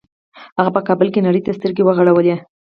هغه په کابل کې نړۍ ته سترګې وغړولې